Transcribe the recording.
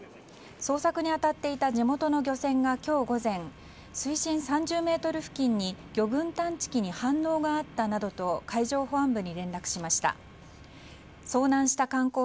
捜索に当たっていた地元の漁船が今日午前水深３０ｍ付近に魚群探知機に反応があったなどと海上保安部に報告がありました。